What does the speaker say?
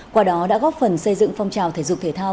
qua đó đã góp phần xây dựng phong trào thể dục thể thao